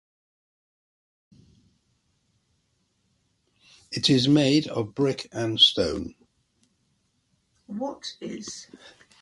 It is made of brick and stone.